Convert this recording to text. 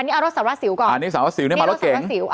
อันนี้เอารถสารสิวก่อนอันนี้สารสิวมารถเก่ง